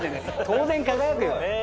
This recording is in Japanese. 当然輝くよ。